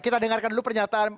kita dengarkan dulu pernyataan